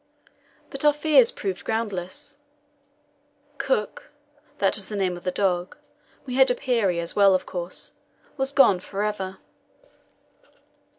But our fears proved groundless; Cook that was the name of the dog; we had a Peary as well, of course was gone for ever.